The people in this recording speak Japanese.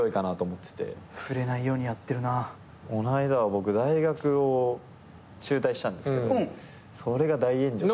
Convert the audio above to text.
この間は僕大学を中退したんですけどそれが大炎上して。